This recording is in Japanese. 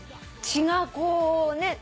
血がこうね。